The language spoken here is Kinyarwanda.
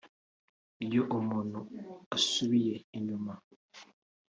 Iyo umuntu asubiye inyuma